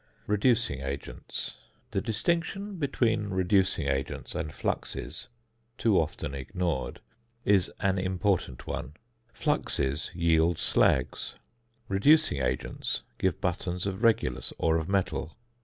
REDUCING AGENTS. The distinction between reducing agents and fluxes (too often ignored) is an important one. Fluxes yield slags; reducing agents give buttons of regulus or of metal.